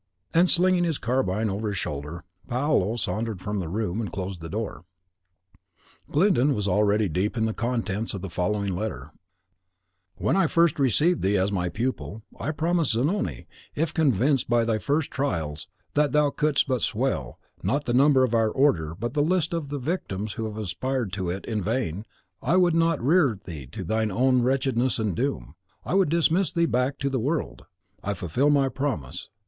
And slinging his carbine over his shoulder, Paolo sauntered from the room, and closed the door. Glyndon was already deep in the contents of the following letter: "When I first received thee as my pupil, I promised Zanoni, if convinced by thy first trials that thou couldst but swell, not the number of our order, but the list of the victims who have aspired to it in vain, I would not rear thee to thine own wretchedness and doom, I would dismiss thee back to the world. I fulfil my promise.